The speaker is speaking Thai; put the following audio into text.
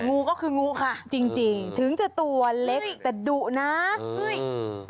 งูก็คืองูค่ะจริงจริงถึงจะตัวเล็กแต่ดุนะเฮ้ยอืม